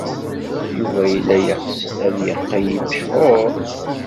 Yuba yella yeɣs ad yeqqel mechuṛ.